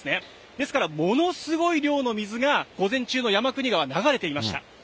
ですから、ものすごい量の水が、午前中の山国川、流れていました。